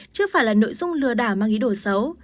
chứ không phải là nội dung lừa đả mang ý đồ xấu